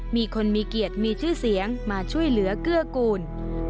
มีคนมีเกียรติมีชื่อเสียงมาช่วยเหลือเกื้อกูล